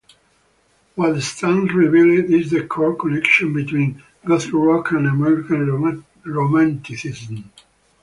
What stands revealed is the core connection between gothic rock and American Romanticism.